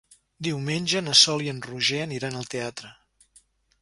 Diumenge na Sol i en Roger aniran al teatre.